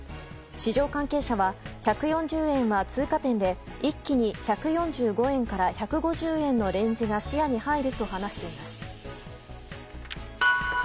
市場関係者は１４０円は通過点で一気に１４５円から１５０円のレンジが視野に入ると話しています。